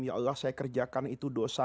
ya allah saya kerjakan itu dosa